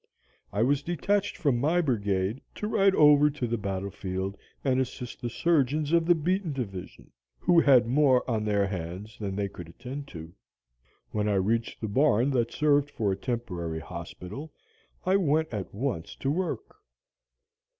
I was detached from my brigade to ride over to the battle field and assist the surgeons of the beaten division, who had more on their hands than they could attend to. When I reached the barn that served for a temporary hospital, I went at once to work.